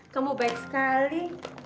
kamu baik sekali